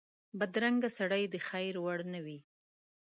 بدرنګه سړی د خیر وړ نه وي